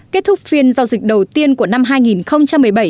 kết thúc phiên giao dịch đầu tiên của năm hai nghìn một mươi bảy